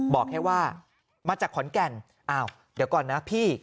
บอกแค่ว่ามาจากขอนแก่นอ้าวเดี๋ยวก่อนนะพี่